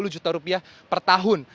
dua puluh juta rupiah per tahun